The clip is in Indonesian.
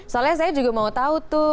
soalnya saya juga mau tahu tuh